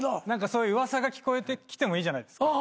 そういう噂が聞こえてきてもいいじゃないですか。